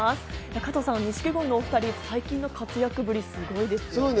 加藤さん、錦鯉のお２人の最近の活躍ぶり、すごいですね。